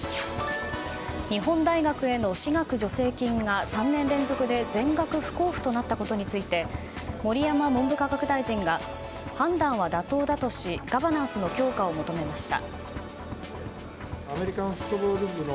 日本大学への私学助成金が３年連続で全額不交付となったことについて盛山文部科学大臣が判断は妥当だとしガバナンスの強化を求めました。